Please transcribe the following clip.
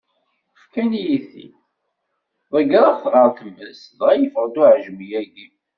Fkan-iyi-t-id, ḍeggreɣ-t ɣer tmes, dɣa yeffeɣ-d uɛejmi-agi.